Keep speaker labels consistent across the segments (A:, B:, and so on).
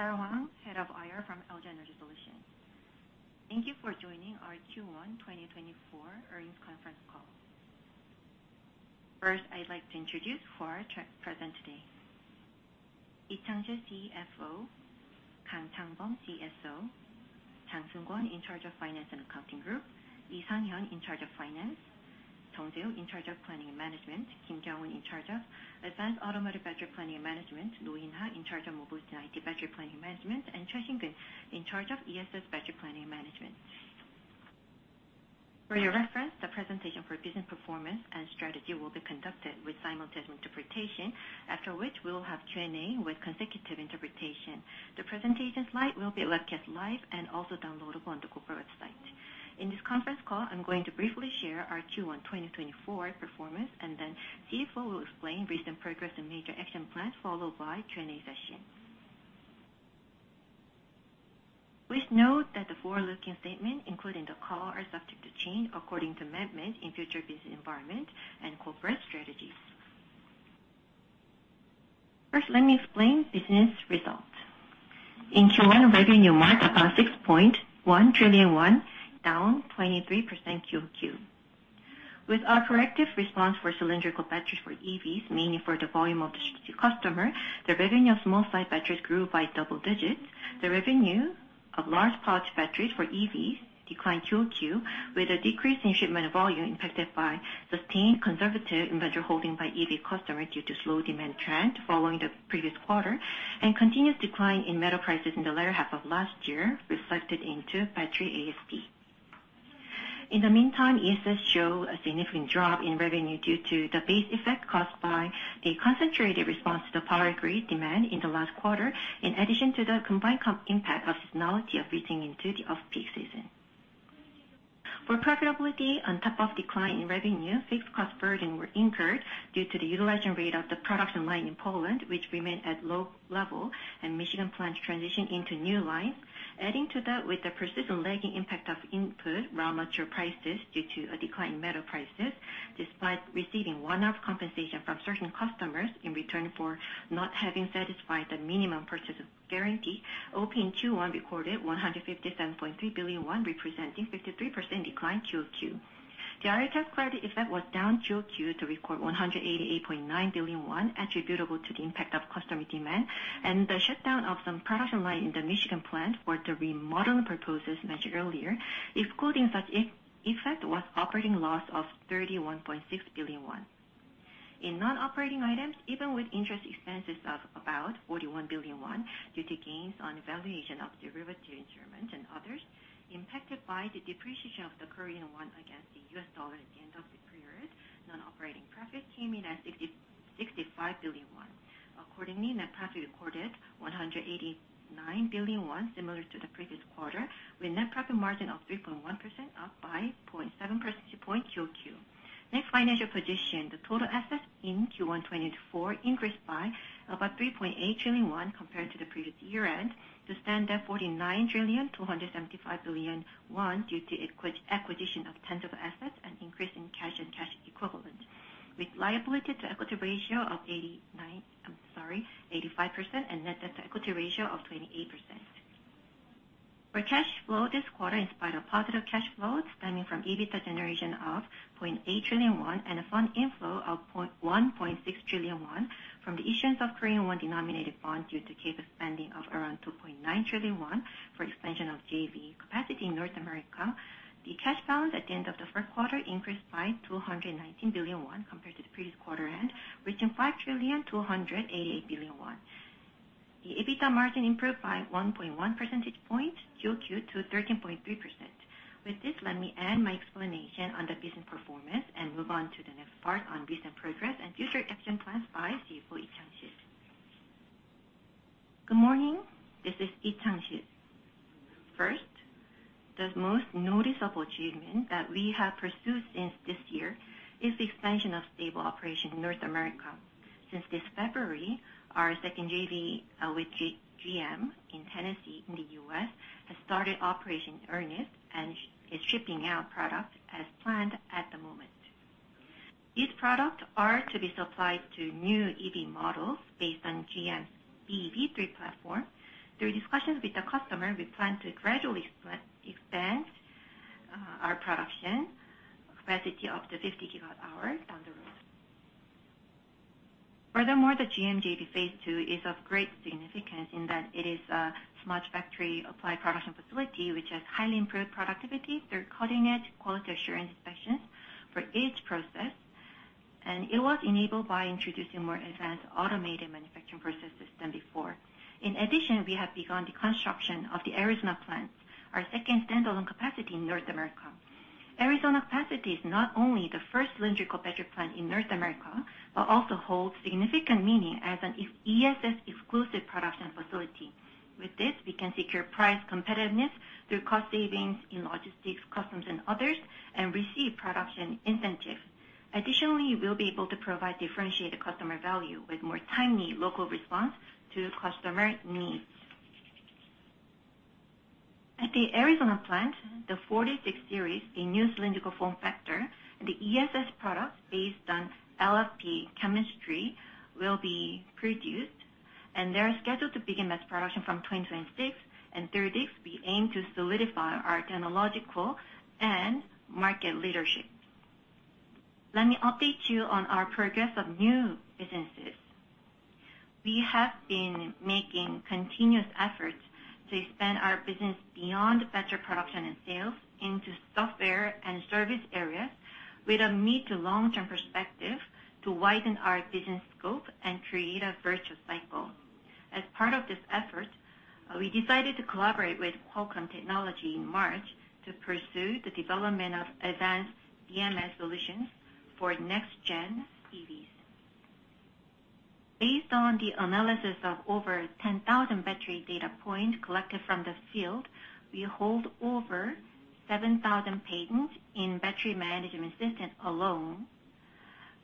A: Good morning. This is Sara Hwang, Head of IR from LG Energy Solution. Thank you for joining our Q1 2024 earnings conference call. First, I'd like to introduce who are present today. 이창재 CFO, 강창범 CSO, 장승권 In charge of Finance and Accounting Group, 이상현 In charge of Finance, 정재우 In charge of Planning and Management, 김경훈 In charge of Advanced Automotive Battery Planning and Management, 노인하 In charge of Mobility and IT Battery Planning and Management, and 최신근 In charge of ESS Battery Planning and Management. For your reference, the presentation for business performance and strategy will be conducted with simultaneous interpretation, after which we will have Q&A with consecutive interpretation. The presentation slide will be left as live and also downloadable on the corporate website. In this conference call, I'm going to briefly share our Q1 2024 performance, and then CFO will explain recent progress and major action plans, followed by Q&A session. Please note that the forward-looking statement, including the call, are subject to change according to amendments in future business environment and corporate strategy. First, let me explain business results. In Q1, revenue marked about ₩6.1 trillion, down 23% quarter-over-quarter. With our corrective response for cylindrical batteries for EVs, mainly for the volume of the customer, the revenue of small-size batteries grew by double digits. The revenue of large-pouch batteries for EVs declined quarter-over-quarter, with a decrease in shipment volume impacted by sustained conservative inventory holding by EV customers due to slow demand trend following the previous quarter, and continuous decline in metal prices in the latter half of last year reflected into battery ASP. In the meantime, ESS showed a significant drop in revenue due to the base effect caused by a concentrated response to the power grid demand in the last quarter, in addition to the combined impact of seasonality of reaching into the off-peak season. For profitability, on top of decline in revenue, fixed cost burden was incurred due to the utilization rate of the production line in Poland, which remained at low level, and Michigan plans to transition into new lines. Adding to that, with the persistent lagging impact of input raw material prices due to a decline in metal prices, despite receiving one-off compensation from certain customers in return for not having satisfied the minimum purchase guarantee, OP in Q1 recorded ₩157.3 billion, representing 53% decline quarter-over-quarter. The IRA tax credit effect was down quarter-over-quarter to record ₩188.9 billion, attributable to the impact of customer demand and the shutdown of some production lines in the Michigan plant for the remodeling purposes mentioned earlier, excluding such effect, with operating loss of ₩31.6 billion. In non-operating items, even with interest expenses of about ₩41 billion due to gains on valuation of derivative instruments and others, impacted by the depreciation of the Korean won against the U.S. dollar at the end of the period, non-operating profits came in at ₩65 billion. Accordingly, net profit recorded ₩189 billion, similar to the previous quarter, with net profit margin of 3.1%, up by 0.7% quarter-over-quarter. Next, financial position, the total assets in Q1 2024 increased by about ₩3.8 trillion compared to the previous year-end to stand at ₩49.275 trillion due to acquisition of tangible assets and increase in cash and cash equivalent, with liability to equity ratio of 85% and net debt to equity ratio of 28%. For cash flow this quarter, in spite of positive cash flow stemming from EBITDA generation of ₩0.8 trillion and a fund inflow of ₩1.6 trillion from the issuance of Korean won-denominated bonds due to CAPEX spending of around ₩2.9 trillion for expansion of JV capacity in North America, the cash balance at the end of the first quarter increased by ₩219 billion compared to the previous quarter-end, reaching ₩5.288 trillion. The EBITDA margin improved by 1.1 percentage points quarter-over-quarter to 13.3%. With this, let me end my explanation on the business performance and move on to the next part on recent progress and future action plans by CFO Lee Chang-jae. Good morning. This is Lee Chang-jae. First, the most noticeable achievement that we have pursued since this year is the expansion of stable operation in North America. Since this February, our second JV with GM in Tennessee in the U.S. has started operation in earnest and is shipping out products as planned at the moment. These products are to be supplied to new EV models based on GM's BEV3 platform. Through discussions with the customer, we plan to gradually expand our production capacity up to 50 gigawatt-hours down the road. Furthermore, the GM JV Phase 2 is of great significance in that it is a smart factory-applied production facility, which has highly improved productivity through cutting-edge quality assurance inspections for each process. It was enabled by introducing more advanced automated manufacturing processes than before. In addition, we have begun the construction of the Arizona plant, our second standalone capacity in North America. Arizona capacity is not only the first cylindrical battery plant in North America but also holds significant meaning as an ESS-exclusive production facility. With this, we can secure price competitiveness through cost savings in logistics, customs, and others, and receive production incentives. Additionally, we'll be able to provide differentiated customer value with more timely local response to customer needs. At the Arizona plant, the 46 series, a new cylindrical form factor, and the ESS products based on LFP chemistry will be produced. They are scheduled to begin mass production from 2026. Through this, we aim to solidify our technological and market leadership. Let me update you on our progress of new businesses. We have been making continuous efforts to expand our business beyond battery production and sales into software and service areas with a mid-to-long-term perspective to widen our business scope and create a virtuous cycle. As part of this effort, we decided to collaborate with Qualcomm Technology in March to pursue the development of advanced BMS solutions for next-gen EVs. Based on the analysis of over 10,000 battery data points collected from the field, we hold over 7,000 patents in battery management systems alone.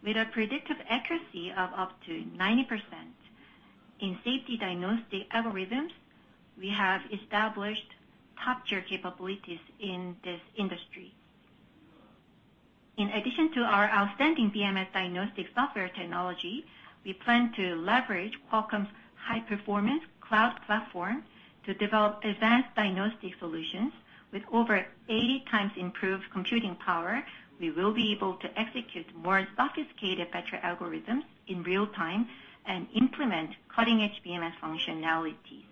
A: With a predictive accuracy of up to 90% in safety diagnostic algorithms, we have established top-tier capabilities in this industry. In addition to our outstanding BMS diagnostic software technology, we plan to leverage Qualcomm's high-performance cloud platform to develop advanced diagnostic solutions with over 80 times improved computing power. We will be able to execute more sophisticated battery algorithms in real time and implement cutting-edge BMS functionalities.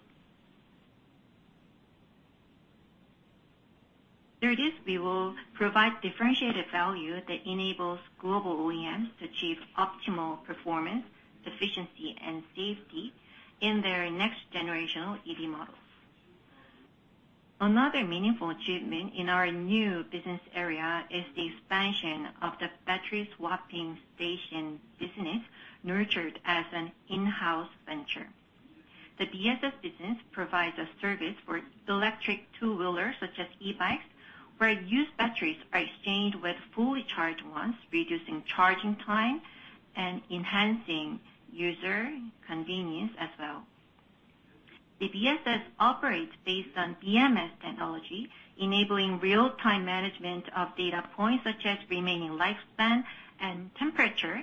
A: Through this, we will provide differentiated value that enables global OEMs to achieve optimal performance, efficiency, and safety in their next-generational EV models. Another meaningful achievement in our new business area is the expansion of the battery swapping station business nurtured as an in-house venture. The BSS business provides a service for electric two-wheelers, such as e-bikes, where used batteries are exchanged with fully charged ones, reducing charging time and enhancing user convenience as well. The BSS operates based on BMS technology, enabling real-time management of data points such as remaining lifespan and temperature.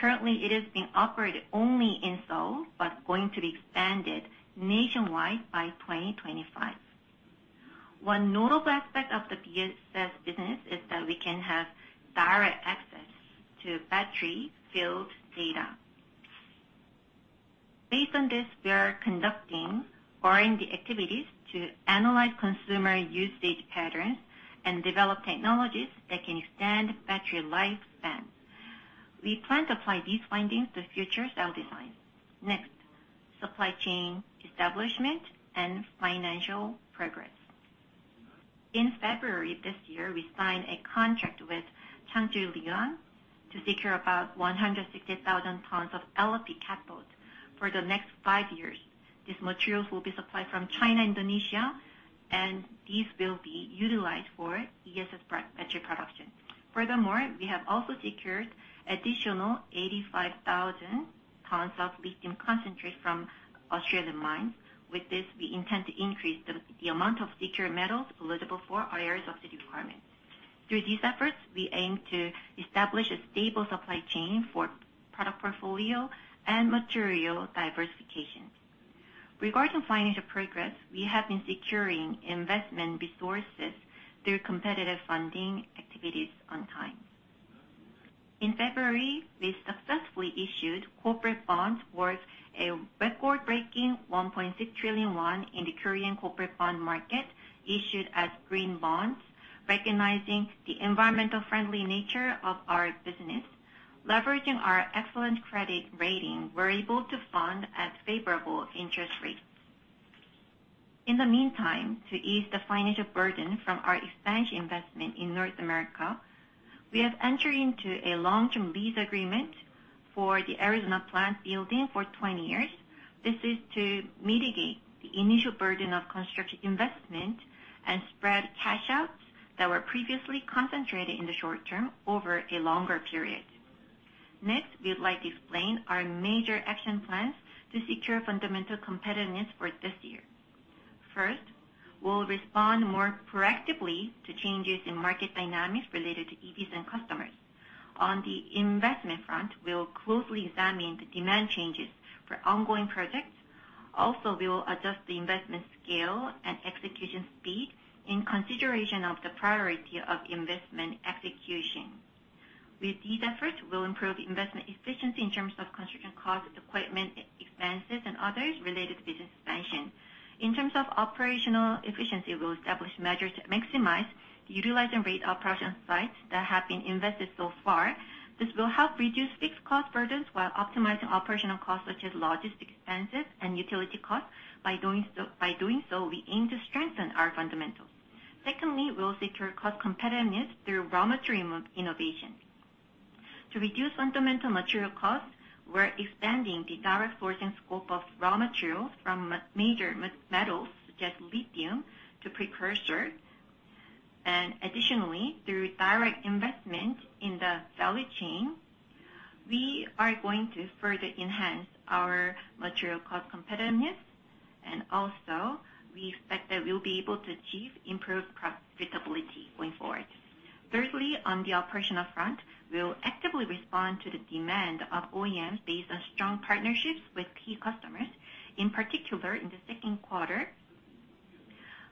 A: Currently, it is being operated only in Seoul but going to be expanded nationwide by 2025. One notable aspect of the BSS business is that we can have direct access to battery field data. Based on this, we are conducting R&D activities to analyze consumer usage patterns and develop technologies that can extend battery lifespan. We plan to apply these findings to future cell designs. Next, supply chain establishment and financial progress. In February this year, we signed a contract with CNGR to secure about 160,000 tons of LFP cathodes for the next five years. These materials will be supplied from China and Indonesia, and these will be utilized for ESS battery production. Furthermore, we have also secured additional 85,000 tons of lithium concentrate from Australian mines. With this, we intend to increase the amount of secure metals eligible for IRA subsidy requirements. Through these efforts, we aim to establish a stable supply chain for product portfolio and material diversification. Regarding financial progress, we have been securing investment resources through competitive funding activities on time. In February, we successfully issued corporate bonds worth a record-breaking ₩1.6 trillion in the Korean corporate bond market, issued as green bonds, recognizing the environmental-friendly nature of our business. Leveraging our excellent credit rating, we're able to fund at favorable interest rates. In the meantime, to ease the financial burden from our expansion investment in North America, we have entered into a long-term lease agreement for the Arizona plant building for 20 years. This is to mitigate the initial burden of construction investment and spread cash-outs that were previously concentrated in the short term over a longer period. Next, we would like to explain our major action plans to secure fundamental competitiveness for this year. First, we'll respond more proactively to changes in market dynamics related to EVs and customers. On the investment front, we'll closely examine the demand changes for ongoing projects. Also, we will adjust the investment scale and execution speed in consideration of the priority of investment execution. With these efforts, we'll improve investment efficiency in terms of construction costs, equipment expenses, and others related to business expansion. In terms of operational efficiency, we'll establish measures to maximize the utilization rate of production sites that have been invested so far. This will help reduce fixed cost burdens while optimizing operational costs such as logistics expenses and utility costs. By doing so, we aim to strengthen our fundamentals. Secondly, we'll secure cost competitiveness through raw material innovation. To reduce fundamental material costs, we're expanding the direct sourcing scope of raw materials from major metals such as lithium to precursor. Additionally, through direct investment in the value chain, we are going to further enhance our material cost competitiveness. Also, we expect that we'll be able to achieve improved profitability going forward. Thirdly, on the operational front, we'll actively respond to the demand of OEMs based on strong partnerships with key customers, in particular in the second quarter.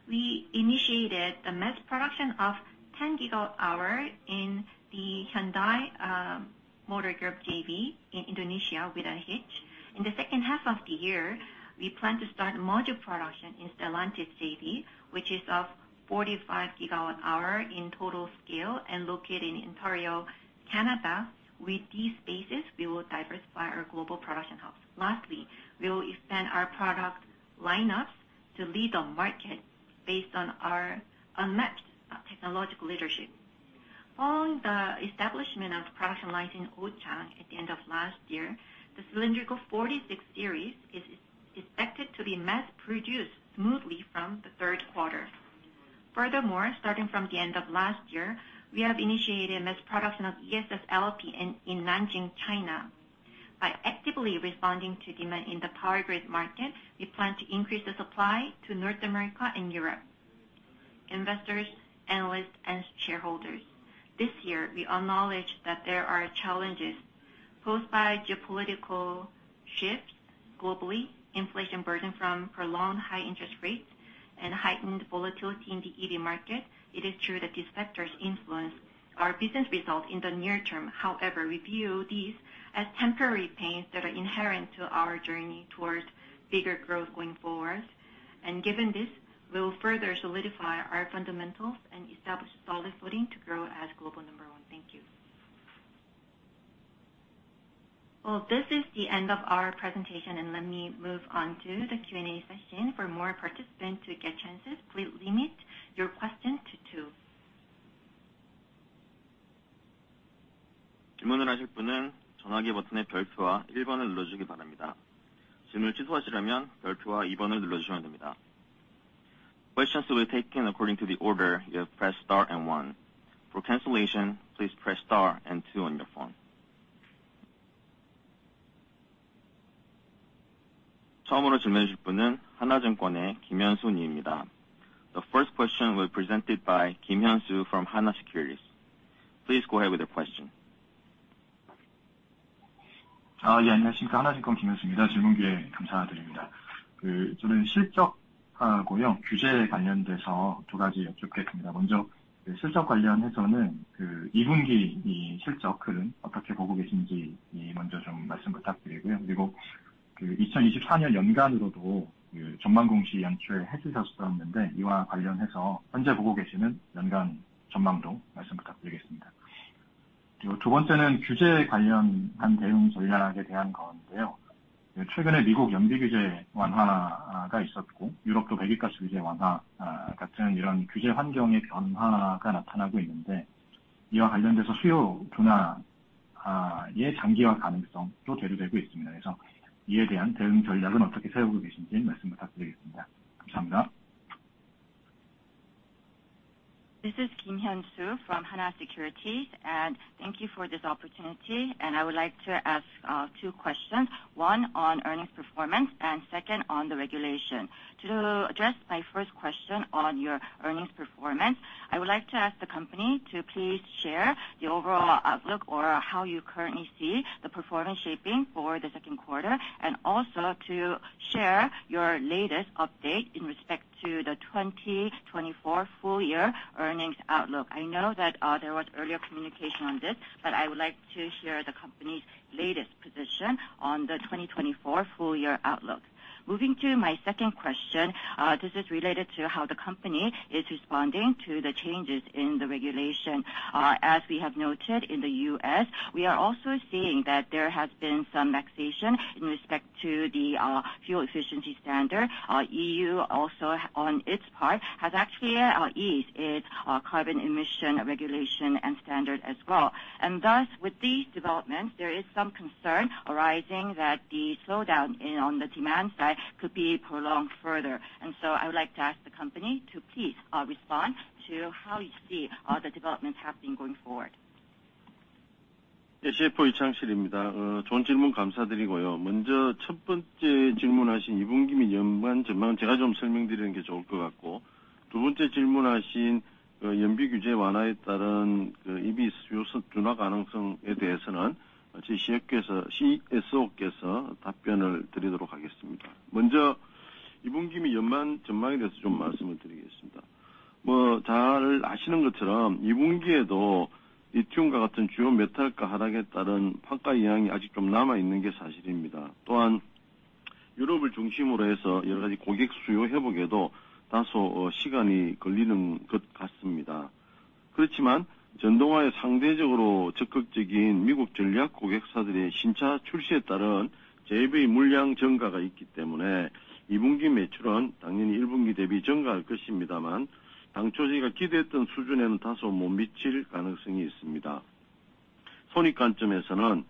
A: We initiated the mass production of 10 gigawatt-hours in the Hyundai Motor Group JV in Indonesia without a hitch. In the second half of the year, we plan to start module production in Stellantis JV, which is of 45 gigawatt-hours in total scale and located in Ontario, Canada. With these spaces, we will diversify our global production house. Lastly, we'll expand our product lineups to lead the market based on our unmatched technological leadership. Following the establishment of production lines in Ochang at the end of last year, the cylindrical 46 series is expected to be mass-produced smoothly from the third quarter. Furthermore, starting from the end of last year, we have initiated mass production of ESS LFP in Nanjing, China. By actively responding to demand in the power grid market, we plan to increase the supply to North America and Europe. Investors, analysts, and shareholders, this year, we acknowledge that there are challenges posed by geopolitical shifts globally, inflation burden from prolonged high interest rates, and heightened volatility in the EV market. It is true that these factors influence our business results in the near term. However, we view these as temporary pains that are inherent to our journey towards bigger growth going forward. Given this, we'll further solidify our fundamentals and establish solid footing to grow as global number one. Thank you. This is the end of our presentation. Let me move on to the Q&A session. For more participants to get chances, please limit your questions to two.
B: 질문을 하실 분은 전화기 버튼의 별표와 1번을 눌러주기 바랍니다. 질문을 취소하시려면 별표와 2번을 눌러주시면 됩니다. Questions will be taken according to the order you have pressed star and one. For cancellation, please press star and two on your phone. 처음으로 질문해 주실 분은 한화증권의 김현수 님입니다. The first question will be presented by Kim Hyun-soo from Hanwha Securities. Please go ahead with your question.
C: 안녕하십니까. 한화증권 김현수입니다. 질문 기회 감사드립니다. 저는 실적하고요, 규제에 관련돼서 두 가지 여쭙겠습니다. 먼저 실적 관련해서는 2분기 실적 흐름 어떻게 보고 계신지 먼저 좀 말씀 부탁드리고요. 그리고 2024년 연간으로도 전망 공시 연초에 해주셨었는데, 이와 관련해서 현재 보고 계시는 연간 전망도 말씀 부탁드리겠습니다. 그리고 두 번째는 규제 관련한 대응 전략에 대한 건데요. 최근에 미국 연비 규제 완화가 있었고, 유럽도 배기가스 규제 완화 같은 이런 규제 환경의 변화가 나타나고 있는데, 이와 관련돼서 수요 둔화의 장기화 가능성도 대두되고 있습니다. 그래서 이에 대한 대응 전략은 어떻게 세우고 계신지 말씀 부탁드리겠습니다. 감사합니다.
D: This is Kim Hyun-soo from HANA Securities. Thank you for this opportunity. I would like to ask two questions. One on earnings performance and second on the regulation. To address my first question on your earnings performance, I would like to ask the company to please share the overall outlook or how you currently see the performance shaping for the second quarter. Also to share your latest update in respect to the 2024 full-year earnings outlook. I know that there was earlier communication on this, but I would like to hear the company's latest position on the 2024 full-year outlook. Moving to my second question, this is related to how the company is responding to the changes in the regulation. As we have noted in the U.S., we are also seeing that there has been some relaxation in respect to the fuel efficiency standard. EU also, on its part, has actually eased its carbon emission regulation and standard as well. Thus, with these developments, there is some concern arising that the slowdown on the demand side could be prolonged further. So I would like to ask the company to please respond to how you see the developments happening going forward.
B: SFO 이창실입니다. 좋은 질문 감사드리고요. 먼저 첫 번째 질문하신 2분기 및 연간 전망은 제가 설명드리는 게 좋을 것 같고, 두 번째 질문하신 연비 규제 완화에 따른 EV 수요 둔화 가능성에 대해서는 저희 CFO께서 답변을 드리도록 하겠습니다. 먼저 2분기 및 연간 전망에 대해서 말씀을 드리겠습니다. 잘 아시는 것처럼 2분기에도 리튬과 같은 주요 메탈가 하락에 따른 환가 영향이 아직 남아 있는 게 사실입니다. 또한 유럽을 중심으로 해서 여러 가지 고객 수요 회복에도 다소 시간이 걸리는 것 같습니다. 그렇지만 전동화에 상대적으로 적극적인 미국 전략 고객사들의 신차 출시에 따른 JV 물량 증가가 있기 때문에 2분기 매출은 당연히 1분기 대비 증가할 것입니다만, 당초 저희가 기대했던 수준에는 다소 못 미칠 가능성이 있습니다. 손익 관점에서는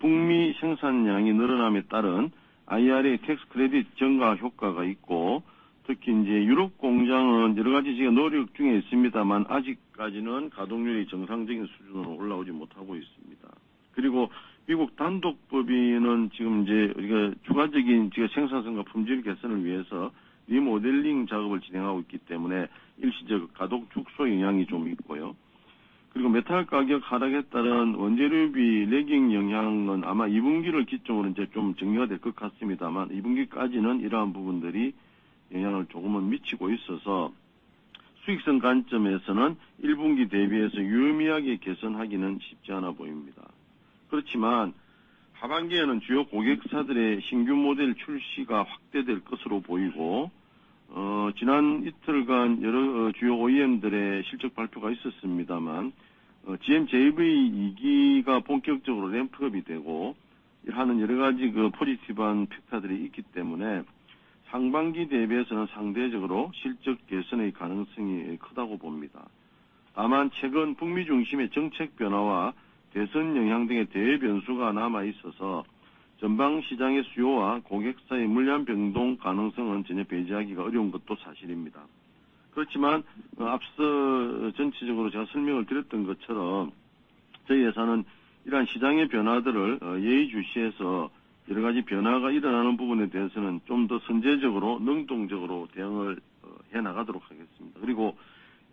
B: 북미 생산량이 늘어남에 따른 IRA 택스 크레딧 증가 효과가 있고, 특히 유럽 공장은 여러 가지 저희가 노력 중에 있습니다만, 아직까지는 가동률이 정상적인 수준으로 올라오지 못하고 있습니다. 그리고 미국 단독 법인은 지금 우리가 추가적인 생산성과 품질 개선을 위해서 리모델링 작업을 진행하고 있기 때문에 일시적 가동 축소 영향이 있고요. 그리고 메탈 가격 하락에 따른 원재료비 레깅 영향은 아마 2분기를 기점으로 정리가 될것 같습니다만, 2분기까지는 이러한 부분들이 영향을 조금은 미치고 있어서 수익성 관점에서는 1분기 대비해서 유의미하게 개선하기는 쉽지 않아 보입니다. 그렇지만 하반기에는 주요 고객사들의 신규 모델 출시가 확대될 것으로 보이고, 지난 이틀간 여러 주요 OEM들의 실적 발표가 있었습니다만, GM JV 2기가 본격적으로 램프업이 되고 하는 여러 가지 포지티브한 팩터들이 있기 때문에 상반기 대비해서는 상대적으로 실적 개선의 가능성이 크다고 봅니다. 다만 최근 북미 중심의 정책 변화와 대선 영향 등의 대외 변수가 남아 있어서 전방 시장의 수요와 고객사의 물량 변동 가능성은 전혀 배제하기가 어려운 것도 사실입니다. 그렇지만 앞서 전체적으로 제가 설명을 드렸던 것처럼 저희 회사는 이러한 시장의 변화들을 예의주시해서 여러 가지 변화가 일어나는 부분에 대해서는 더 선제적으로 능동적으로 대응을 해 나가도록 하겠습니다. 그리고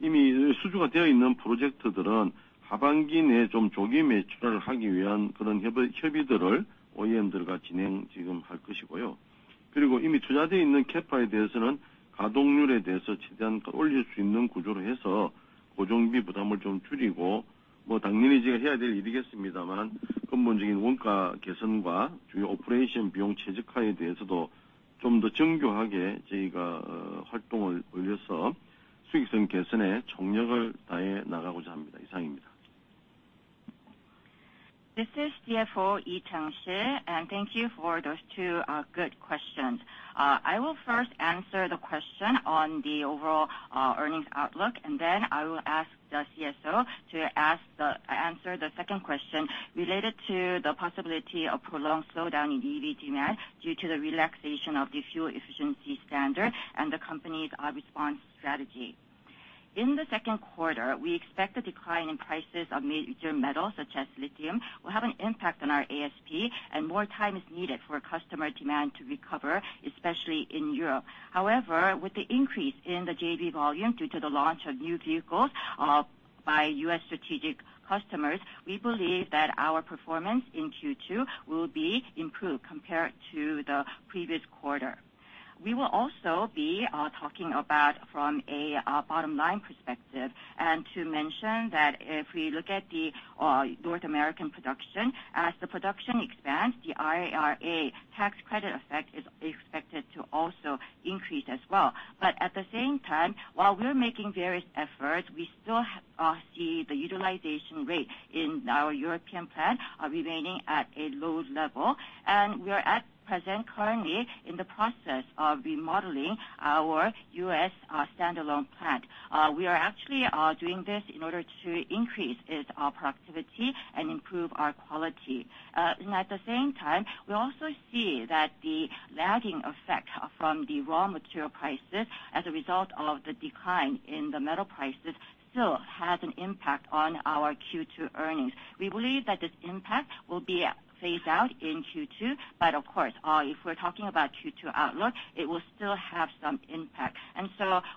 B: 이미 수주가 되어 있는 프로젝트들은 하반기 내에 조기 매출화를 하기 위한 그런 협의들을 OEM들과 진행할 것이고요. 그리고 이미 투자돼 있는 캐파에 대해서는 가동률에 대해서 최대한 올릴 수 있는 구조로 해서 고정비 부담을 줄이고, 당연히 저희가 해야 될 일이겠습니다만, 근본적인 원가 개선과 주요 오퍼레이션 비용 최적화에 대해서도 더 정교하게 저희가 활동을 벌여서 수익성 개선에 총력을 다해 나가고자 합니다. 이상입니다.
D: This is CFO 이창실. Thank you for those two good questions. I will first answer the question on the overall earnings outlook. Then I will ask the CSO to answer the second question related to the possibility of prolonged slowdown in EV demand due to the relaxation of the fuel efficiency standard and the company's response strategy. In the second quarter, we expect the decline in prices of major metals such as lithium will have an impact on our ASP. More time is needed for customer demand to recover, especially in Europe. However, with the increase in the JV volume due to the launch of new vehicles by US strategic customers, we believe that our performance in Q2 will be improved compared to the previous quarter. We will also be talking about from a bottom-line perspective. To mention that if we look at the North American production, as the production expands, the IRA tax credit effect is expected to also increase as well. While we're making various efforts, we still see the utilization rate in our European plant remaining at a low level. We are at present currently in the process of remodeling our US standalone plant. We are actually doing this in order to increase its productivity and improve our quality. At the same time, we also see that the lagging effect from the raw material prices as a result of the decline in the metal prices still has an impact on our Q2 earnings. We believe that this impact will be phased out in Q2. Of course, if we're talking about Q2 outlook, it will still have some impact.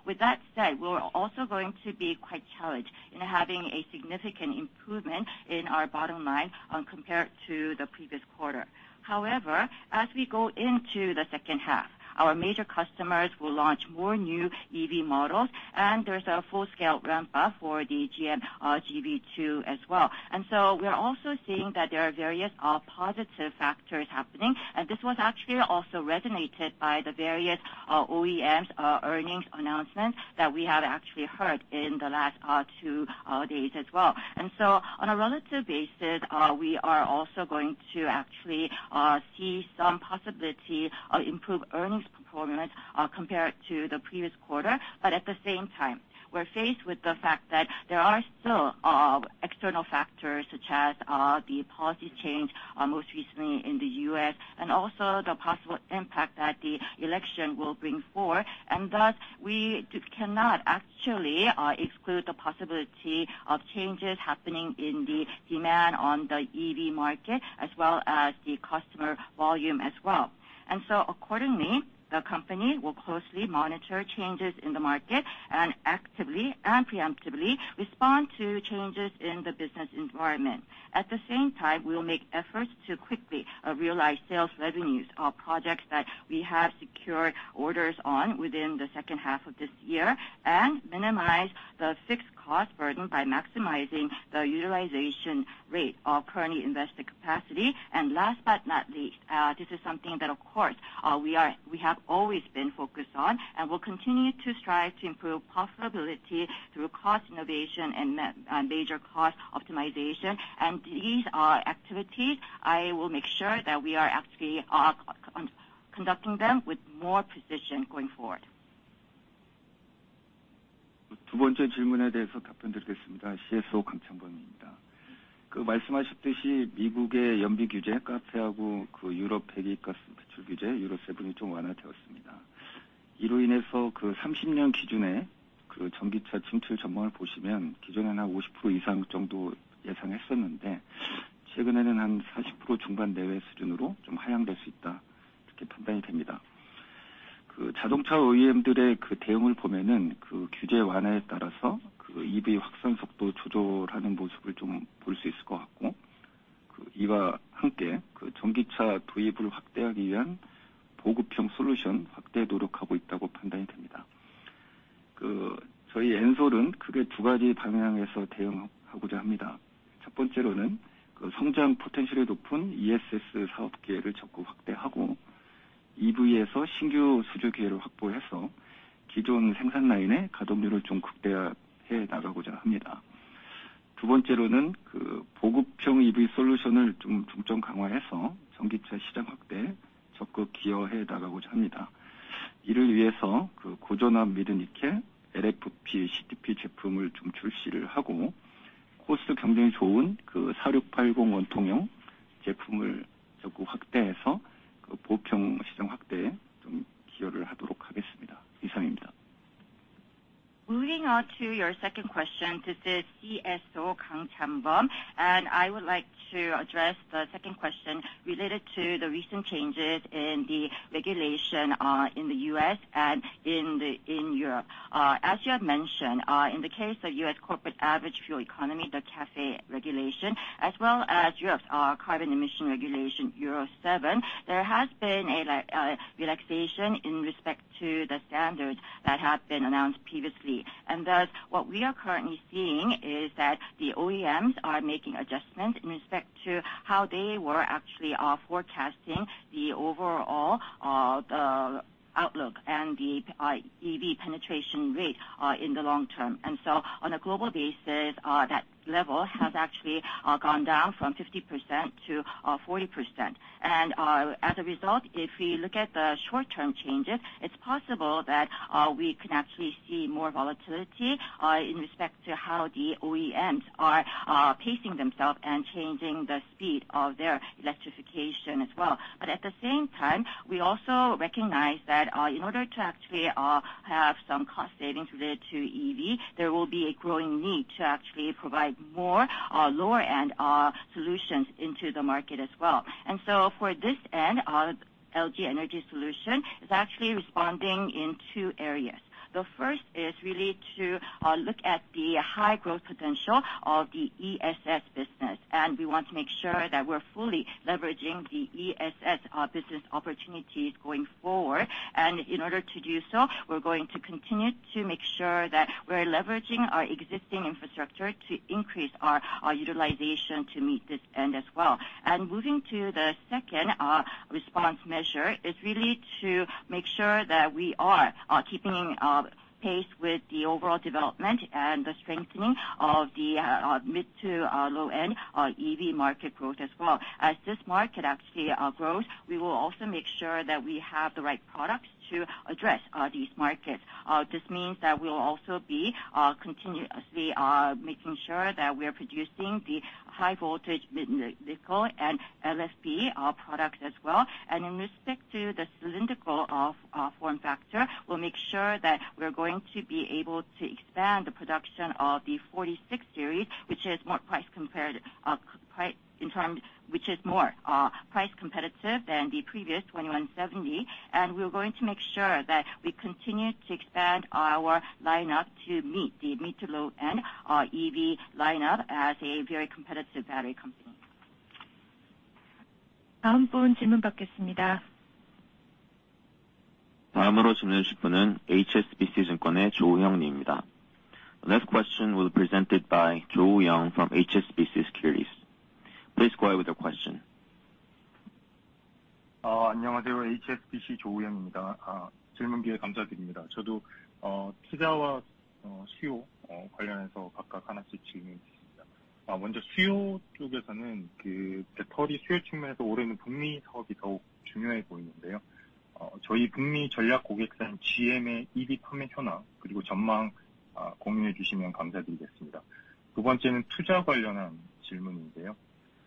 D: With that said, we're also going to be quite challenged in having a significant improvement in our bottom line compared to the previous quarter. However, as we go into the second half, our major customers will launch more new EV models. There's a full-scale ramp-up for the GM GV2 as well. We are also seeing that there are various positive factors happening. This was actually also resonated by the various OEMs' earnings announcements that we have actually heard in the last two days as well. On a relative basis, we are also going to actually see some possibility of improved earnings performance compared to the previous quarter. At the same time, we're faced with the fact that there are still external factors such as the policy change most recently in the US and also the possible impact that the election will bring forth. Thus, we cannot actually exclude the possibility of changes happening in the demand on the EV market as well as the customer volume as well. Accordingly, the company will closely monitor changes in the market and actively and preemptively respond to changes in the business environment. At the same time, we will make efforts to quickly realize sales revenues of projects that we have secured orders on within the second half of this year and minimize the fixed cost burden by maximizing the utilization rate of currently invested capacity. Last but not least, this is something that, of course, we have always been focused on and will continue to strive to improve profitability through cost innovation and major cost optimization. These activities, I will make sure that we are actually conducting them with more precision going forward.
B: 두 번째 질문에 대해서 답변드리겠습니다. CSO 강창범입니다. 말씀하셨듯이 미국의 연비 규제 CAFE하고 유럽 배기가스 배출 규제 Euro 7이 완화되었습니다. 이로 인해서 2030년 기준의 전기차 침투 전망을 보시면 기존에는 50% 이상 정도 예상했었는데, 최근에는 40% 중반 내외 수준으로 하향될 수 있다 이렇게 판단이 됩니다. 자동차 OEM들의 대응을 보면 규제 완화에 따라서 EV 확산 속도 조절하는 모습을 볼수 있을 것 같고, 이와 함께 전기차 도입을 확대하기 위한 보급형 솔루션 확대에 노력하고 있다고 판단이 됩니다. 저희 엔솔은 크게 두 가지 방향에서 대응하고자 합니다. 첫 번째로는 성장 포텐셜이 높은 ESS 사업 기회를 적극 확대하고, EV에서 신규 수주 기회를 확보해서 기존 생산 라인의 가동률을 극대화해 나가고자 합니다. 두 번째로는 보급형 EV 솔루션을 중점 강화해서 전기차 시장 확대에 적극 기여해 나가고자 합니다. 이를 위해서 고전압 미드니켈 LFP CTP 제품을 출시하고, 코스트 경쟁력이 좋은 4680 원통형 제품을 적극 확대해서 보급형 시장 확대에 기여하도록 하겠습니다. 이상입니다.
D: Moving on to your second question to the CSO 강창범. I would like to address the second question related to the recent changes in the regulation in the US and in Europe. As you have mentioned, in the case of US corporate average fuel economy, the CAFE regulation, as well as Europe's carbon emission regulation, Euro 7, there has been a relaxation in respect to the standards that have been announced previously. Thus, what we are currently seeing is that the OEMs are making adjustments in respect to how they were actually forecasting the overall outlook and the EV penetration rate in the long term. On a global basis, that level has actually gone down from 50% to 40%. As a result, if we look at the short-term changes, it's possible that we can actually see more volatility in respect to how the OEMs are pacing themselves and changing the speed of their electrification as well. But at the same time, we also recognize that in order to actually have some cost savings related to EV, there will be a growing need to actually provide more lower-end solutions into the market as well. For this end, LG Energy Solution is actually responding in two areas. The first is really to look at the high growth potential of the ESS business. We want to make sure that we're fully leveraging the ESS business opportunities going forward. In order to do so, we're going to continue to make sure that we're leveraging our existing infrastructure to increase our utilization to meet this end as well. Moving to the second response measure is really to make sure that we are keeping pace with the overall development and the strengthening of the mid to low-end EV market growth as well. As this market actually grows, we will also make sure that we have the right products to address these markets. This means that we will also be continuously making sure that we are producing the high-voltage midnickel and LFP products as well. In respect to the cylindrical form factor, we'll make sure that we're going to be able to expand the production of the 46 series, which is more price competitive than the previous 2170. We're going to make sure that we continue to expand our lineup to meet the mid to low-end EV lineup as a very competitive battery company.
E: 다음 분 질문 받겠습니다.
B: 다음으로 질문해 주실 분은 HSBC 증권의 조우형 님입니다. The next question will be presented by Jo Woo-young from HSBC Securities. Please go ahead with your question.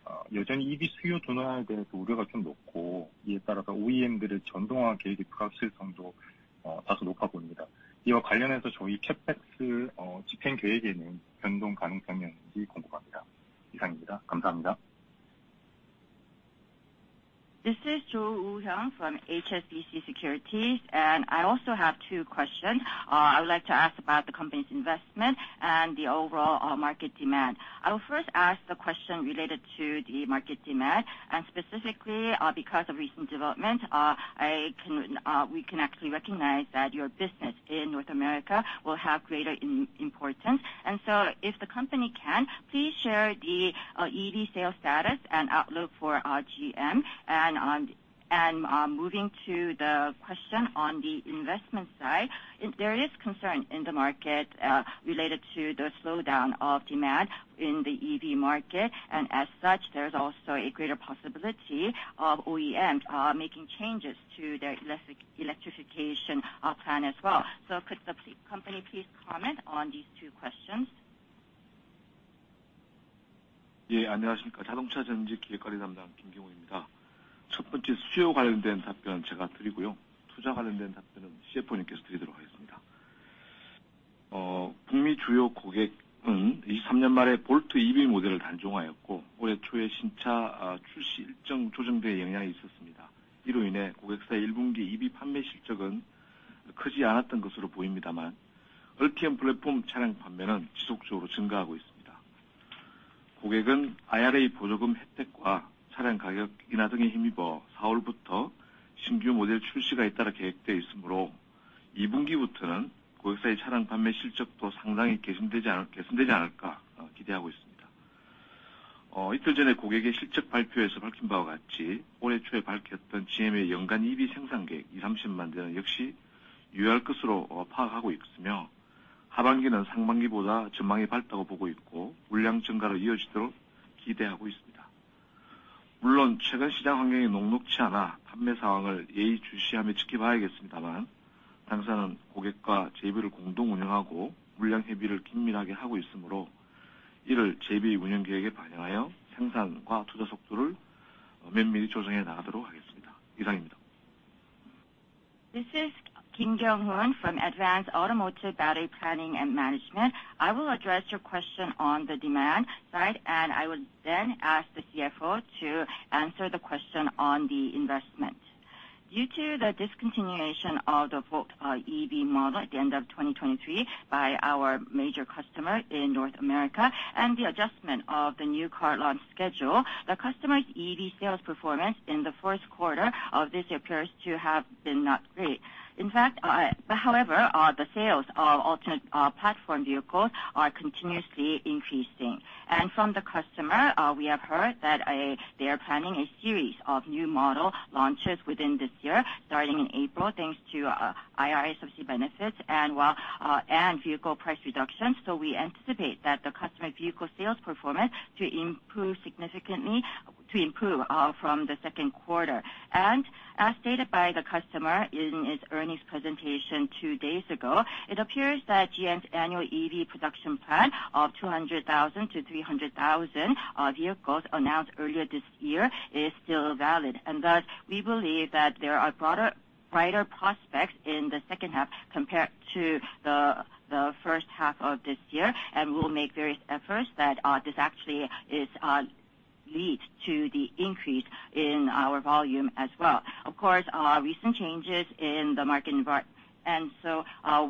F: 안녕하세요. HSBC 조우형입니다. 질문 기회 감사드립니다. 저도 투자와 수요 관련해서 각각 하나씩 질문드리겠습니다. 먼저 수요 쪽에서는 배터리 수요 측면에서 올해는 북미 사업이 더욱 중요해 보이는데요. 저희 북미 전략 고객사인 GM의 EV 판매 현황 그리고 전망 공유해 주시면 감사드리겠습니다. 두 번째는 투자 관련한 질문인데요. 여전히 EV 수요 둔화에 대해서 우려가 좀 높고, 이에 따라서 OEM들의 전동화 계획의 불확실성도 다소 높아 보입니다. 이와 관련해서 저희 CAPEX 집행 계획에는 변동 가능성이 없는지 궁금합니다. 이상입니다. 감사합니다.
D: This is Jo Woo-young from HSBC Securities. I also have two questions. I would like to ask about the company's investment and the overall market demand. I will first ask the question related to the market demand. Specifically, because of recent developments, we can actually recognize that your business in North America will have greater importance. So if the company can, please share the EV sales status and outlook for GM. Moving to the question on the investment side, there is concern in the market related to the slowdown of demand in the EV market. As such, there's also a greater possibility of OEMs making changes to their electrification plan as well. So could the company please comment on these two questions?
F: 예, 안녕하십니까. 자동차 전지 기획관리 담당 김경호입니다. 첫 번째 수요 관련된 답변 제가 드리고요. 투자 관련된 답변은 CFO님께서 드리도록 하겠습니다. 북미 주요 고객은 2023년 말에 볼트 EV 모델을 단종하였고, 올해 초에 신차 출시 일정 조정 등에 영향이 있었습니다. 이로 인해 고객사의 1분기 EV 판매 실적은 크지 않았던 것으로 보입니다만, 얼티엄 플랫폼 차량 판매는 지속적으로 증가하고 있습니다. 고객은 IRA 보조금 혜택과 차량 가격 인하 등에 힘입어 4월부터 신규 모델 출시가 잇따라 계획되어 있으므로, 2분기부터는 고객사의 차량 판매 실적도 상당히 개선되지 않을까 기대하고 있습니다. 이틀 전에 고객의 실적 발표에서 밝힌 바와 같이, 올해 초에 밝혔던 GM의 연간 EV 생산 계획 20~30만 대는 역시 유효할 것으로 파악하고 있으며, 하반기는 상반기보다 전망이 밝다고 보고 있고, 물량 증가로 이어지도록 기대하고 있습니다. 물론 최근 시장 환경이 녹록지 않아 판매 상황을 예의주시하며 지켜봐야겠습니다만, 당사는 고객과 JV를 공동 운영하고 물량 협의를 긴밀하게 하고 있으므로, 이를 JV의 운영 계획에 반영하여 생산과 투자 속도를 면밀히 조정해 나가도록 하겠습니다. 이상입니다.
D: This is Kim Kyung-hoon from Advanced Automotive Battery Planning and Management. I will address your question on the demand side, and I will then ask the CFO to answer the question on the investment. Due to the discontinuation of the Volt EV model at the end of 2023 by our major customer in North America and the adjustment of the new car launch schedule, the customer's EV sales performance in the first quarter of this year appears to have been not great. In fact, however, the sales of alternate platform vehicles are continuously increasing. From the customer, we have heard that they are planning a series of new model launches within this year, starting in April thanks to IRA subsidy benefits and vehicle price reductions. We anticipate that the customer vehicle sales performance should improve significantly from the second quarter. As stated by the customer in his earnings presentation two days ago, it appears that GM's annual EV production plan of 200,000 to 300,000 vehicles announced earlier this year is still valid. Thus, we believe that there are brighter prospects in the second half compared to the first half of this year. We'll make various efforts that this actually leads to the increase in our volume as well. Of course, recent changes in the market environment.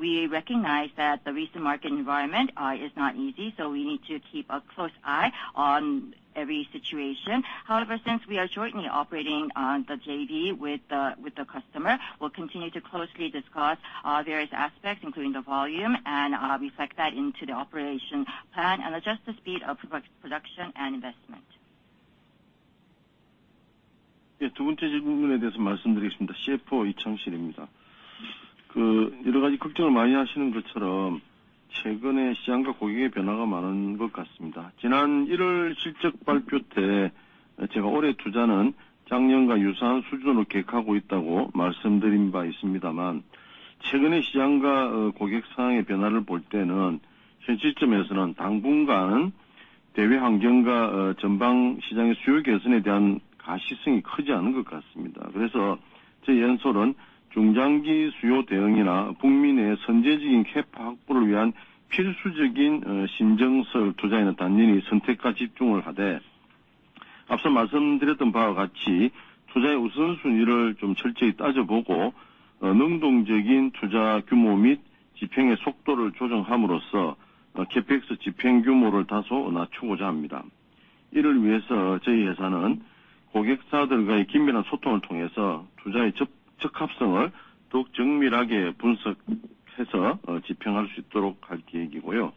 D: We recognize that the recent market environment is not easy. We need to keep a close eye on every situation. However, since we are jointly operating the JV with the customer, we'll continue to closely discuss various aspects, including the volume, and reflect that into the operation plan and adjust the speed of production and investment.
F: 두 번째 질문에 대해서 말씀드리겠습니다. CFO 이창실입니다. 여러 가지 걱정을 많이 하시는 것처럼 최근에 시장과 고객의 변화가 많은 것 같습니다. 지난 1월 실적 발표 때 제가 올해 투자는 작년과 유사한 수준으로 계획하고 있다고 말씀드린 바 있습니다만, 최근의 시장과 고객 상황의 변화를 볼 때는 현 시점에서는 당분간은 대외 환경과 전방 시장의 수요 개선에 대한 가시성이 크지 않은 것 같습니다. 그래서 저희 엔솔은 중장기 수요 대응이나 북미 내 선제적인 캐파 확보를 위한 필수적인 신정설 투자에는 단연히 선택과 집중을 하되, 앞서 말씀드렸던 바와 같이 투자의 우선순위를 좀 철저히 따져보고 능동적인 투자 규모 및 집행의 속도를 조정함으로써 CAPEX 집행 규모를 다소 낮추고자 합니다. 이를 위해서 저희 회사는 고객사들과의 긴밀한 소통을 통해서 투자의 적합성을 더욱 정밀하게 분석해서 집행할 수 있도록 할 계획이고요.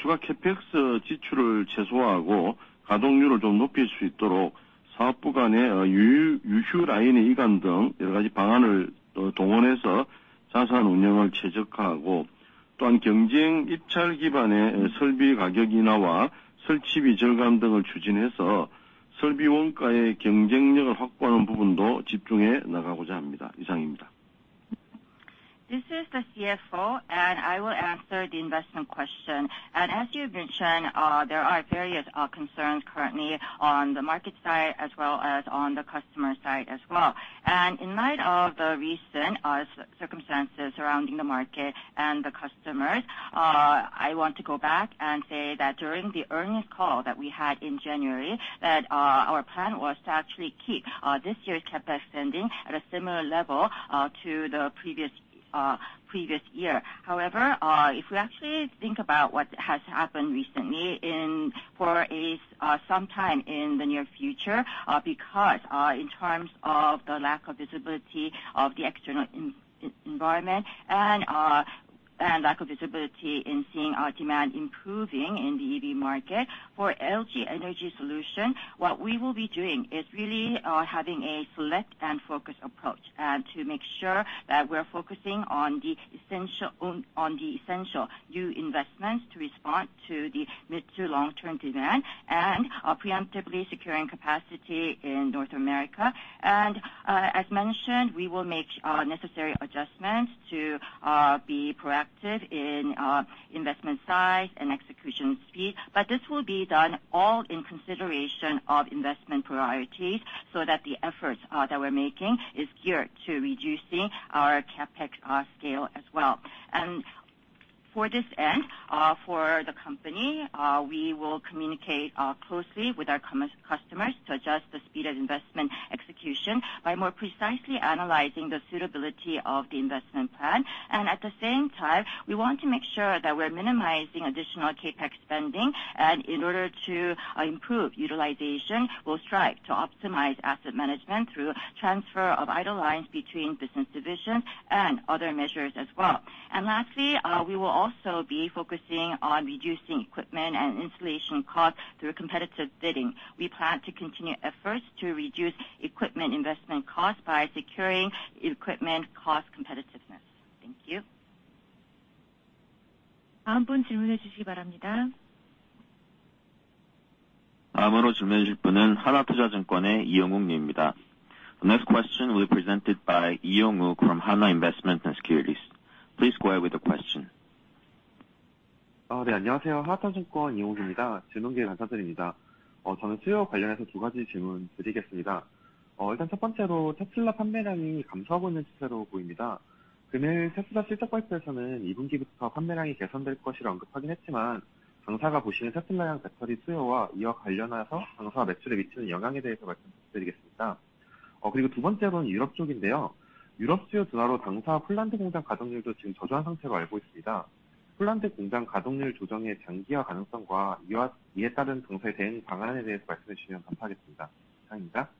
F: 추가 CAPEX 지출을 최소화하고 가동률을 좀 높일 수 있도록 사업 구간의 유휴 라인의 이관 등 여러 가지 방안을 동원해서 자산 운영을 최적화하고, 또한 경쟁 입찰 기반의 설비 가격 인하와 설치비 절감 등을 추진해서 설비 원가의 경쟁력을 확보하는 부분도 집중해 나가고자 합니다. 이상입니다.
D: This is the CFO. I will answer the investment question. As you have mentioned, there are various concerns currently on the market side as well as on the customer side. In light of the recent circumstances surrounding the market and the customers, I want to go back and say that during the earnings call that we had in January, our plan was to actually keep this year's CAPEX spending at a similar level to the previous year. However, if we actually think about what has happened recently for some time in the near future, because in terms of the lack of visibility of the external environment and lack of visibility in seeing demand improving in the EV market, for LG Energy Solution, what we will be doing is really having a select and focused approach to make sure that we're focusing on the essential new investments to respond to the mid to long-term demand and preemptively securing capacity in North America. As mentioned, we will make necessary adjustments to be proactive in investment size and execution speed. This will be done all in consideration of investment priorities so that the efforts that we're making are geared to reducing our CAPEX scale as well. For this end, for the company, we will communicate closely with our customers to adjust the speed of investment execution by more precisely analyzing the suitability of the investment plan. At the same time, we want to make sure that we're minimizing additional CAPEX spending. In order to improve utilization, we'll strive to optimize asset management through transfer of idle lines between business divisions and other measures as well. Lastly, we will also be focusing on reducing equipment and installation costs through competitive bidding. We plan to continue efforts to reduce equipment investment costs by securing equipment cost competitiveness. Thank you.
E: 다음 분 질문해 주시기 바랍니다.
B: 다음으로 질문해 주실 분은 한화투자증권의 이영욱 님입니다. The next question will be presented by Lee Young-wook from Hanwha Investment and Securities. Please go ahead with your question.
G: 네, 안녕하세요. 한화투자증권 이영욱입니다. 질문 기회 감사드립니다. 저는 수요 관련해서 두 가지 질문 드리겠습니다. 일단 첫 번째로 테슬라 판매량이 감소하고 있는 추세로 보입니다. 금일 테슬라 실적 발표에서는 2분기부터 판매량이 개선될 것이라고 언급하긴 했지만, 당사가 보시는 테슬라향 배터리 수요와 이와 관련해서 당사 매출에 미치는 영향에 대해서 말씀해 주시면 감사하겠습니다. 그리고 두 번째로는 유럽 쪽인데요. 유럽 수요 둔화로 당사 폴란드 공장 가동률도 지금 저조한 상태로 알고 있습니다. 폴란드 공장 가동률 조정의 장기화 가능성과 이에 따른 당사의 대응 방안에 대해서 말씀해 주시면 감사하겠습니다. 이상입니다.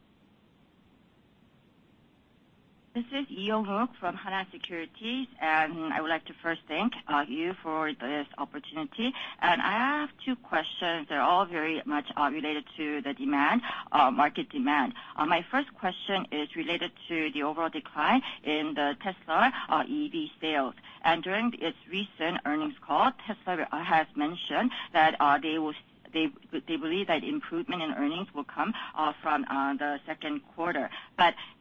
D: This is Lee Young-wook from Hanwha Securities. I would like to first thank you for this opportunity. I have two questions. They're all very much related to the demand, market demand. My first question is related to the overall decline in the Tesla EV sales. During its recent earnings call, Tesla has mentioned that they believe that improvement in earnings will come from the second quarter.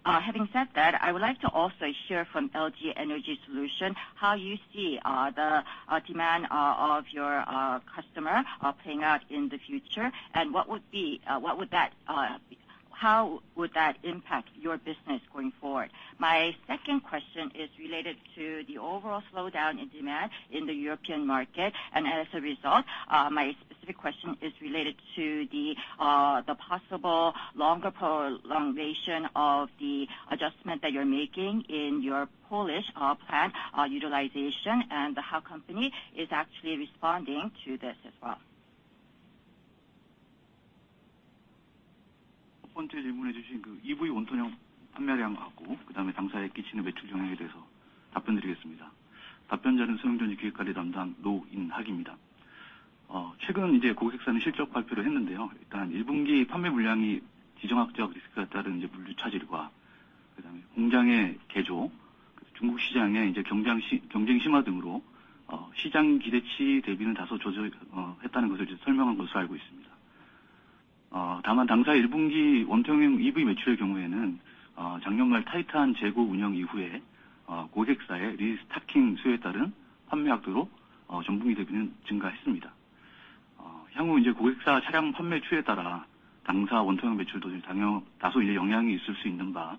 D: Having said that, I would like to also hear from LG Energy Solution how you see the demand of your customer playing out in the future and what would that how would that impact your business going forward? My second question is related to the overall slowdown in demand in the European market. As a result, my specific question is related to the possible longer prolongation of the adjustment that you're making in your Polish plant utilization and how the company is actually responding to this as well.
G: 첫 번째 질문해 주신 EV 원통형 판매량하고 그다음에 당사에 끼치는 매출 영향에 대해서 답변드리겠습니다. 답변자는 소형 전지 기획관리 담당 노인학입니다. 최근 고객사는 실적 발표를 했는데요. 일단 1분기 판매 물량이 지정학적 리스크에 따른 물류 차질과 그다음에 공장의 개조, 중국 시장의 경쟁 심화 등으로 시장 기대치 대비는 다소 저조했다는 것을 설명한 것으로 알고 있습니다. 다만 당사의 1분기 원통형 EV 매출의 경우에는 작년 말 타이트한 재고 운영 이후에 고객사의 리스토킹 수요에 따른 판매 확대로 전분기 대비는 증가했습니다. 향후 고객사 차량 판매 추이에 따라 당사 원통형 매출도 다소 영향이 있을 수 있는 바,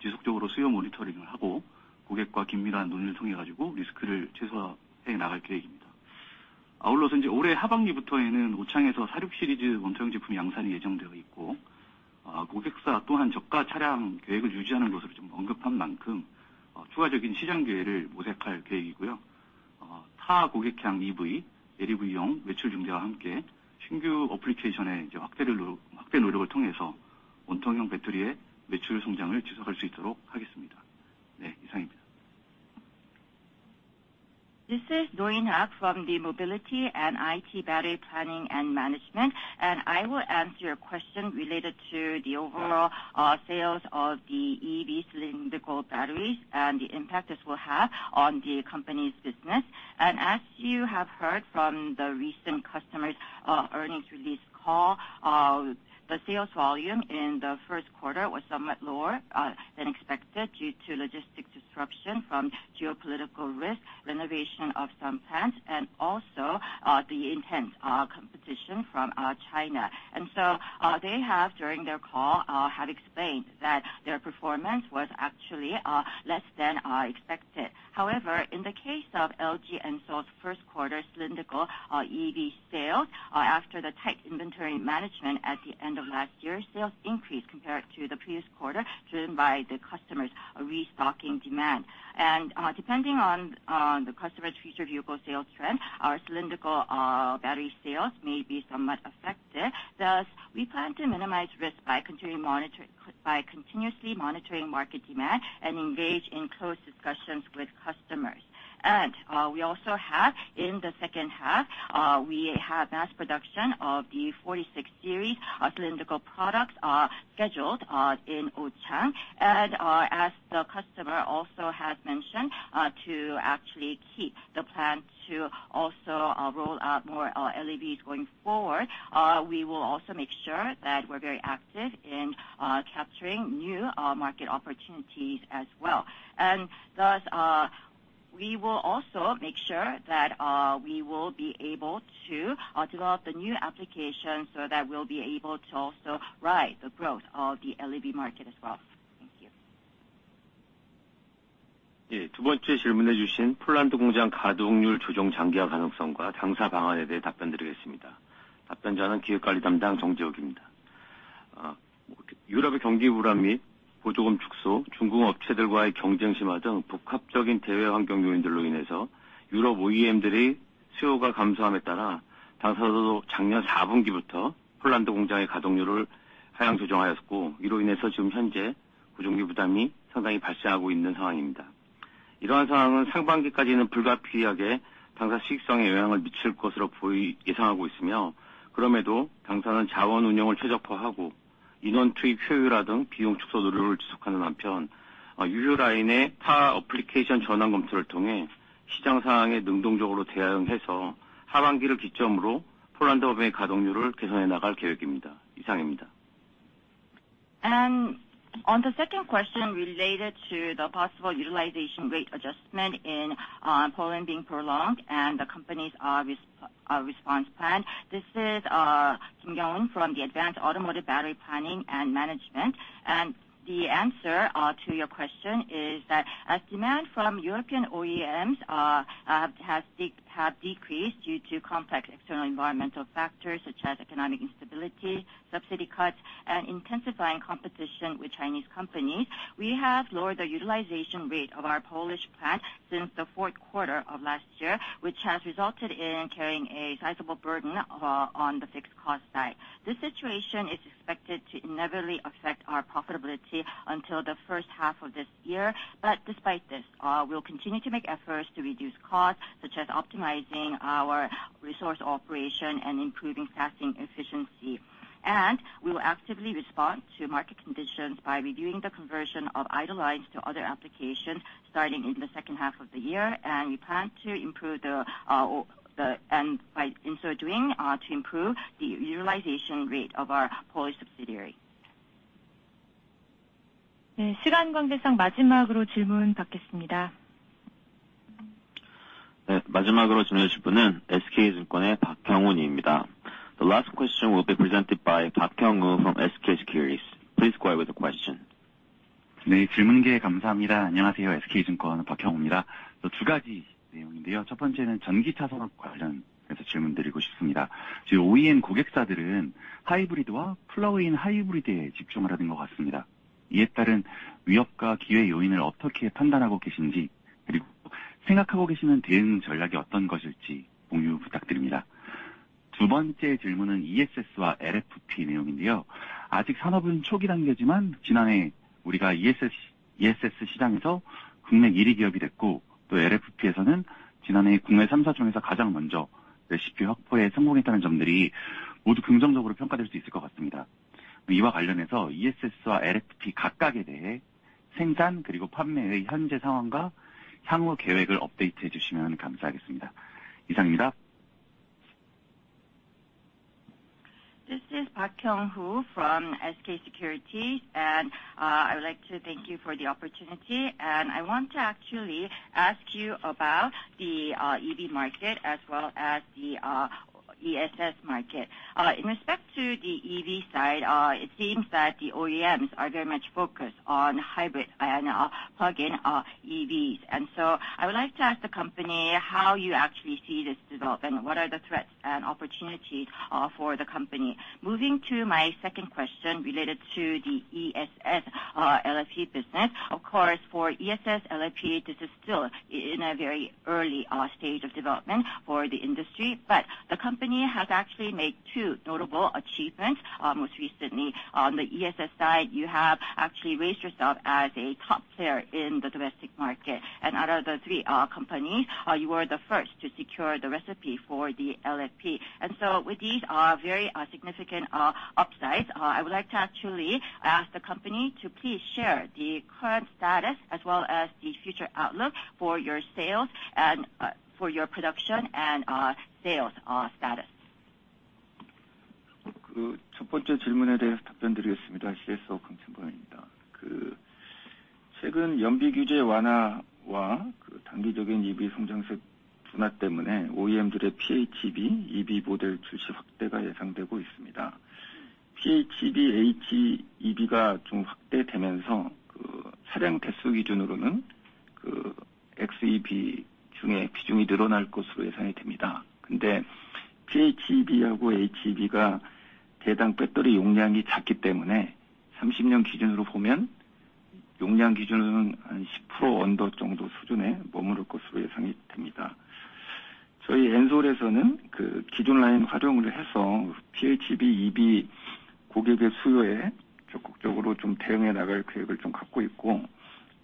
G: 지속적으로 수요 모니터링을 하고 고객과 긴밀한 논의를 통해서 리스크를 최소화해 나갈 계획입니다. 아울러서 올해 하반기부터에는 오창에서 46 시리즈 원통형 제품 양산이 예정되어 있고, 고객사 또한 저가 차량 계획을 유지하는 것으로 언급한 만큼 추가적인 시장 기회를 모색할 계획이고요. 타 고객향 EV, LEV용 매출 증대와 함께 신규 애플리케이션의 확대 노력을 통해서 원통형 배터리의 매출 성장을 지속할 수 있도록 하겠습니다. 이상입니다.
D: This is No In Hak from the Mobility and IT Battery Planning and Management. I will answer your question related to the overall sales of the EV cylindrical batteries and the impact this will have on the company's business. As you have heard from the recent customer's earnings release call, the sales volume in the first quarter was somewhat lower than expected due to logistics disruption from geopolitical risk, renovation of some plants, and also the intense competition from China. They have, during their call, explained that their performance was actually less than expected. However, in the case of LG Ensol's first quarter cylindrical EV sales, after the tight inventory management at the end of last year, sales increased compared to the previous quarter driven by the customer's restocking demand. Depending on the customer's future vehicle sales trend, our cylindrical battery sales may be somewhat affected. Thus, we plan to minimize risk by continuously monitoring market demand and engage in close discussions with customers. We also have, in the second half, we have mass production of the 46 series cylindrical products scheduled in Ochang. As the customer also has mentioned, to actually keep the plan to also roll out more LEVs going forward, we will also make sure that we're very active in capturing new market opportunities as well. Thus, we will also make sure that we will be able to develop the new applications so that we'll be able to also ride the growth of the LEV market as well. Thank you.
B: 두 번째 질문해 주신 폴란드 공장 가동률 조정 장기화 가능성과 당사 방안에 대해 답변드리겠습니다. 답변자는 기획관리 담당 정재욱입니다. 유럽의 경기 불안 및 보조금 축소, 중국 업체들과의 경쟁 심화 등 복합적인 대외 환경 요인들로 인해서 유럽 OEM들의 수요가 감소함에 따라 당사도 작년 4분기부터 폴란드 공장의 가동률을 하향 조정하였고, 이로 인해서 지금 현재 고정비 부담이 상당히 발생하고 있는 상황입니다. 이러한 상황은 상반기까지는 불가피하게 당사 수익성에 영향을 미칠 것으로 예상하고 있으며, 그럼에도 당사는 자원 운영을 최적화하고 인원 투입 효율화 등 비용 축소 노력을 지속하는 한편, 유휴 라인의 타 어플리케이션 전환 검토를 통해 시장 상황에 능동적으로 대응해서 하반기를 기점으로 폴란드 법인의 가동률을 개선해 나갈 계획입니다. 이상입니다.
D: On the second question related to the possible utilization rate adjustment in Poland being prolonged and the company's response plan, this is Kim Young-woon from the Advanced Automotive Battery Planning and Management. The answer to your question is that as demand from European OEMs has decreased due to complex external environmental factors such as economic instability, subsidy cuts, and intensifying competition with Chinese companies, we have lowered the utilization rate of our Polish plant since the fourth quarter of last year, which has resulted in carrying a sizable burden on the fixed cost side. This situation is expected to inevitably affect our profitability until the first half of this year. Despite this, we'll continue to make efforts to reduce costs such as optimizing our resource operation and improving operating efficiency. We will actively respond to market conditions by reviewing the conversion of idle lines to other applications starting in the second half of the year. We plan to improve the utilization rate of our Polish subsidiary.
E: 시간 관계상 마지막으로 질문 받겠습니다.
B: 마지막으로 질문해 주실 분은 SK증권의 박형훈입니다. The last question will be presented by Park Hyung-hun from SK Securities. Please go ahead with your question.
G: 네, 질문 기회 감사합니다. 안녕하세요. SK증권 박형훈입니다. 두 가지 내용인데요. 첫 번째는 전기차 산업 관련해서 질문드리고 싶습니다. 지금 OEM 고객사들은 하이브리드와 플러그인 하이브리드에 집중하려는 것 같습니다. 이에 따른 위협과 기회 요인을 어떻게 판단하고 계신지, 그리고 생각하고 계시는 대응 전략이 어떤 것일지 공유 부탁드립니다. 두 번째 질문은 ESS와 LFP 내용인데요. 아직 산업은 초기 단계지만 지난해 우리가 ESS 시장에서 국내 1위 기업이 됐고, 또 LFP에서는 지난해 국내 3사 중에서 가장 먼저 레시피 확보에 성공했다는 점들이 모두 긍정적으로 평가될 수 있을 것 같습니다. 이와 관련해서 ESS와 LFP 각각에 대해 생산 그리고 판매의 현재 상황과 향후 계획을 업데이트해 주시면 감사하겠습니다. 이상입니다.
D: This is Park Hyung-woo from SK Securities. I would like to thank you for the opportunity. I want to actually ask you about the EV market as well as the ESS market. In respect to the EV side, it seems that the OEMs are very much focused on hybrid and plug-in EVs. I would like to ask the company how you actually see this development. What are the threats and opportunities for the company? Moving to my second question related to the ESS LFP business. Of course, for ESS LFP, this is still in a very early stage of development for the industry. But the company has actually made two notable achievements. Most recently, on the ESS side, you have actually raised yourself as a top player in the domestic market. Out of the three companies, you were the first to secure the recipe for the LFP. With these very significant upsides, I would like to actually ask the company to please share the current status as well as the future outlook for your sales and for your production and sales status.
B: 첫 번째 질문에 대해서 답변드리겠습니다. CSO 강찬범입니다. 최근 연비 규제 완화와 단기적인 EV 성장세 둔화 때문에 OEM들의 PHEV EV 모델 출시 확대가 예상되고 있습니다. PHEV, HEV가 확대되면서 차량 대수 기준으로는 XEV 중에 비중이 늘어날 것으로 예상됩니다. 그런데 PHEV하고 HEV가 대당 배터리 용량이 작기 때문에 2030년 기준으로 보면 용량 기준으로는 한 10% 언더 정도 수준에 머무를 것으로 예상됩니다. 저희 엔솔에서는 기존 라인 활용을 해서 PHEV, EV 고객의 수요에 적극적으로 대응해 나갈 계획을 갖고 있고,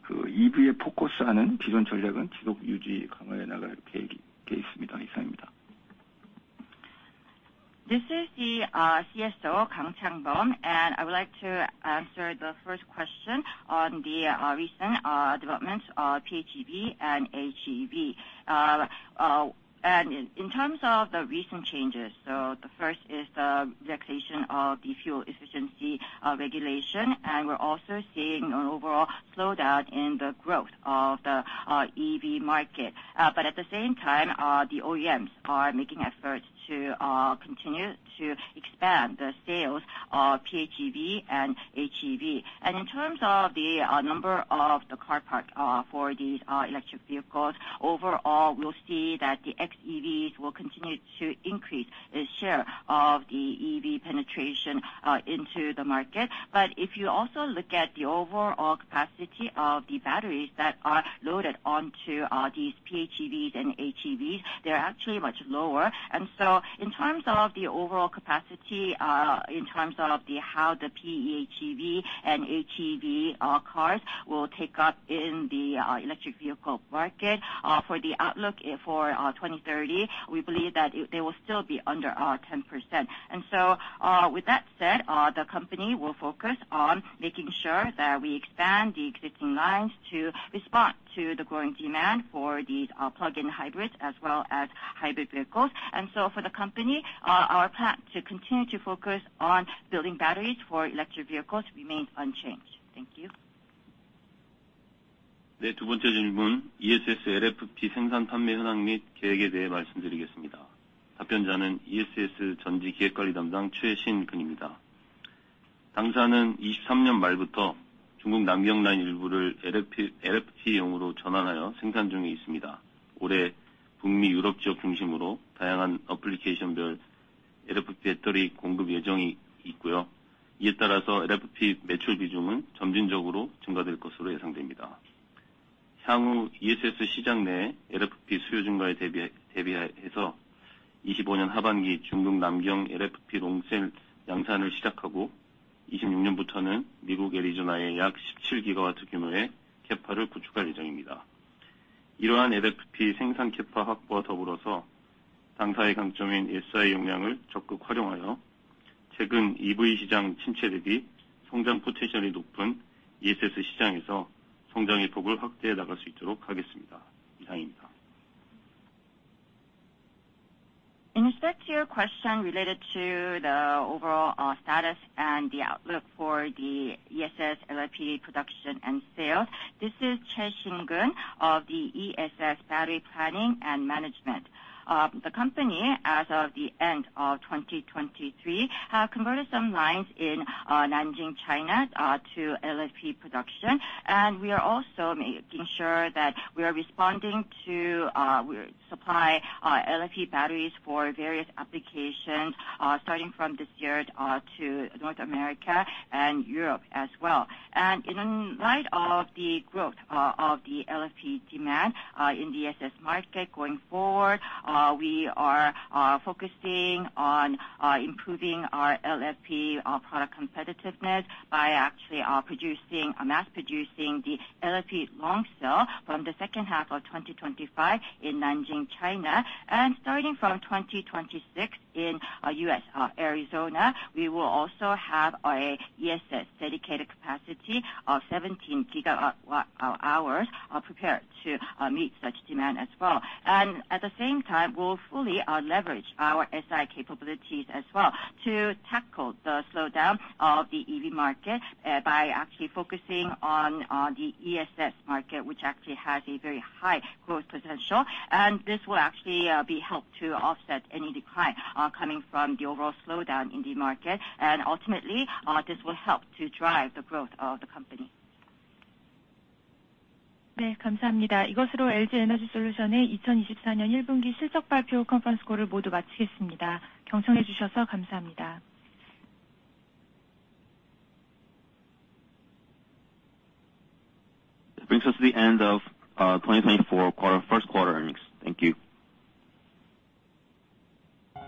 B: EV에 포커스하는 기존 전략은 지속 유지 강화해 나갈 계획이 있습니다. 이상입니다.
D: This is the CSO 강찬범. I would like to answer the first question on the recent development of PHEV and HEV. In terms of the recent changes, the first is the relaxation of the fuel efficiency regulation. We're also seeing an overall slowdown in the growth of the EV market. At the same time, the OEMs are making efforts to continue to expand the sales of PHEV and HEV. In terms of the number of the car park for these electric vehicles, overall, we'll see that the XEVs will continue to increase its share of the EV penetration into the market. If you also look at the overall capacity of the batteries that are loaded onto these PHEVs and HEVs, they're actually much lower. In terms of the overall capacity, in terms of how the PHEV and HEV cars will take up in the electric vehicle market, for the outlook for 2030, we believe that they will still be under 10%. With that said, the company will focus on making sure that we expand the existing lines to respond to the growing demand for these plug-in hybrids as well as hybrid vehicles. For the company, our plan to continue to focus on building batteries for electric vehicles remains unchanged. Thank you.
B: 두 번째 질문, ESS LFP 생산 판매 현황 및 계획에 대해 말씀드리겠습니다. 답변자는 ESS 전지 기획관리 담당 최신근입니다. 당사는 2023년 말부터 중국 남경 라인 일부를 LFP용으로 전환하여 생산 중에 있습니다. 올해 북미 유럽 지역 중심으로 다양한 어플리케이션별 LFP 배터리 공급 예정이 있고요. 이에 따라서 LFP 매출 비중은 점진적으로 증가될 것으로 예상됩니다. 향후 ESS 시장 내 LFP 수요 증가에 대비해서 2025년 하반기 중국 남경 LFP 롱셀 양산을 시작하고, 2026년부터는 미국 애리조나에 약 17GW 규모의 캐파를 구축할 예정입니다. 이러한 LFP 생산 캐파 확보와 더불어서 당사의 강점인 SI 용량을 적극 활용하여 최근 EV 시장 침체 대비 성장 포텐셜이 높은 ESS 시장에서 성장의 폭을 확대해 나갈 수 있도록 하겠습니다. 이상입니다.
D: In respect to your question related to the overall status and the outlook for the ESS LFP production and sales, this is Choi Shin-gun of the ESS Battery Planning and Management. The company, as of the end of 2023, has converted some lines in Nanjing, China, to LFP production. We are also making sure that we are responding to supply LFP batteries for various applications starting from this year to North America and Europe as well. In light of the growth of the LFP demand in the ESS market going forward, we are focusing on improving our LFP product competitiveness by mass-producing the LFP long cell from the second half of 2025 in Nanjing, China. Starting from 2026 in US, Arizona, we will also have an ESS dedicated capacity of 17 gigawatt-hours prepared to meet such demand as well. At the same time, we'll fully leverage our SI capabilities as well to tackle the slowdown of the EV market by focusing on the ESS market, which has very high growth potential. This will help to offset any decline coming from the overall slowdown in the market. Ultimately, this will help to drive the growth of the company.
E: 네, 감사합니다. 이것으로 LG 에너지 솔루션의 2024년 1분기 실적 발표 컨퍼런스 콜을 모두 마치겠습니다. 경청해 주셔서 감사합니다.
B: Brings us to the end of 2024 first quarter earnings. Thank you.